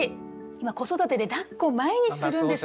今子育てでだっこを毎日するんですよ。